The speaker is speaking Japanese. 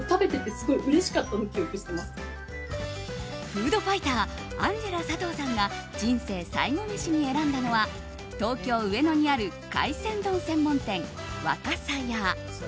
フードファイターアンジェラ佐藤さんが人生最後メシに選んだのは東京・上野にある海鮮丼専門店、若狭家。